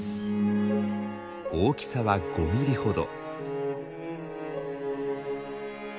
大きさは５ミリほど。